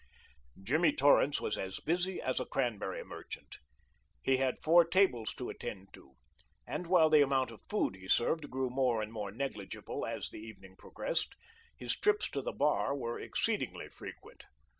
Jimmy Torrance was as busy as a cranberry merchant. He had four tables to attend to, and while the amount of food he served grew more and more negligible as the evening progressed, his trips to the bar were exceedingly frequent.